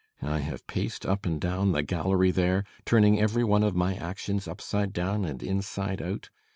I have paced up and down the gallery there, turning every one of my actions upside down and inside out.